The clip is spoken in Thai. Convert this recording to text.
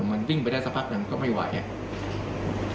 มันวิ่งไปได้สักพักหนึ่งก็ไม่ไหวอ่ะ